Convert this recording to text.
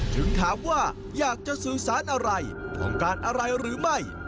ถึงถามว่าอยากจะสื่อสารอะไรต้องการอะไรหรือไม่